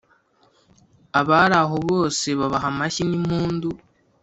abari aho bose babaha amashyi n'impundu.